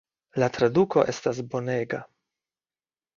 La traduko estas bonega.